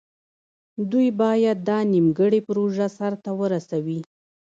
دوی باید دا نیمګړې پروژه سر ته ورسوي.